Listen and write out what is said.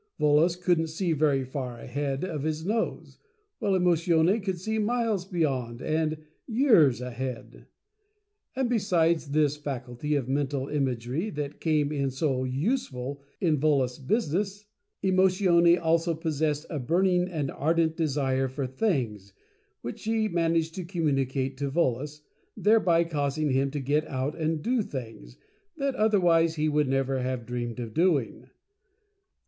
Vo los couldn't see very far ahead of his nose, while Emo tione could see miles beyond, and years ahead. And besides this faculty of Mental Imagery that came in so useful in Volos' business, Emotione also possessed a burning and ardent Desire for Things, which she managed to communicate to Volos, thereby causing him to get out and Do Things that otherwise he would never have dreamed of doing.